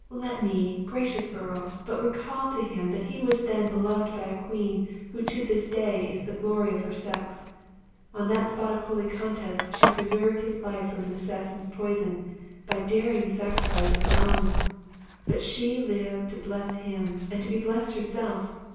Let me, gracious earl, but recall to him that he was then beloved by a queen who to this day is the glory of her sex. On that spot of holy contest she preserved his life from an assassin's poison, by daring the sacrifice of her own! But she lived to bless him, and to be blessed herself!